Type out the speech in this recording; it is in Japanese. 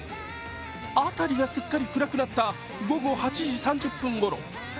辺りがすっかり暗くなった午後８時３０分ごろ。